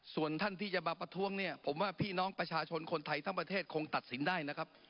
ส่วนท่านที่จะมาประท้วงเนี่ยผมว่าพี่น้องประชาชนคนไทยทั้งประเทศคงตัดสินได้นะครับ